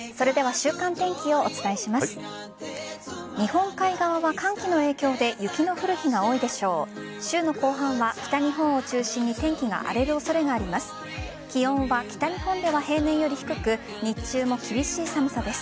週の後半は北日本を中心に天気が荒れる恐れがあります。